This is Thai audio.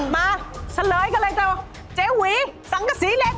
มาเฉลยกันเลยเจ๊หวีสองก็สีเหล็ก